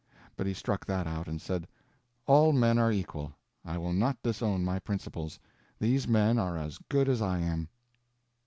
But he struck that out, and said "All men are equal. I will not disown my principles. These men are as good as I am."